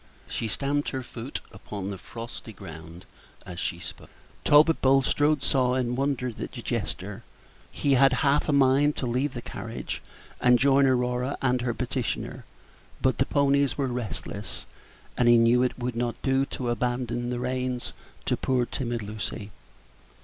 She stamped her foot upon the frosty ground as she spoke. Talbot Bulstrode saw and wondered at the gesture. He had half a mind to leave the carriage and join Aurora and her petitioner; but the ponies were restless, and he knew it would not do to abandon the reins to poor timid Lucy.